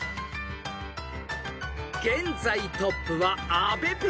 ［現在トップは阿部ペア］